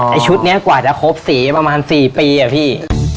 ชุดนี้กว่าจะครบสีประมาณ๔ปีอะพี่